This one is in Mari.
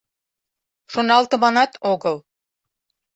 Шоналтыманат огыл.